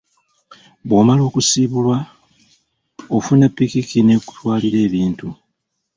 Bw'omala okusiibulwa, ofuna pikiki n'ekutwalira ebintu.